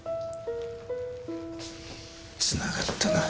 つながったな。